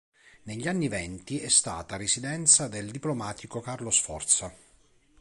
Negli anni venti è stata residenza del diplomatico Carlo Sforza.